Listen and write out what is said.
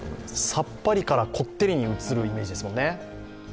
さっぱりから、こってりに移るイメージですもんね。